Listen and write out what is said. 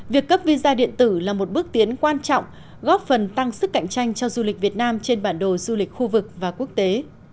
việc cấp visa điện tử là một bước tiến quan trọng góp phần tăng sức cạnh tranh cho du lịch việt nam trên bản đồ du lịch khu vực và quốc tế